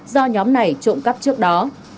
do nhóm này trộm cắp trước đó